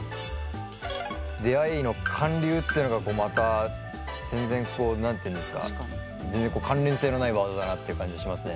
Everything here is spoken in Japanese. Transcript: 「出会い」の「韓流」っていうのがまた全然何ていうんですか全然関連性のないワードだなっていう感じがしますね。